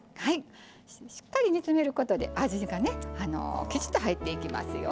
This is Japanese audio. しっかり煮詰めることで味がねきちっと入っていきますよ。